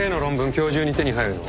今日中に手に入るの？